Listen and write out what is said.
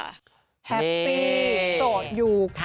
แฮปปี้โสดอยู่